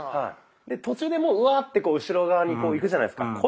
で途中でもううわってこう後ろ側にいくじゃないですか。